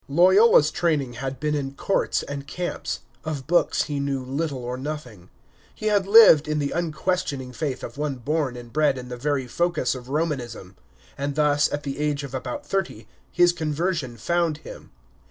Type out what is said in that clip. Loyola's training had been in courts and camps: of books he knew little or nothing. He had lived in the unquestioning faith of one born and bred in the very focus of Romanism; and thus, at the age of about thirty, his conversion found him.